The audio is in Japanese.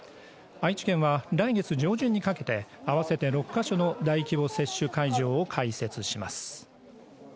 愛知県は来月上旬にかけて合わせて６か所の大規模接種会場を開設します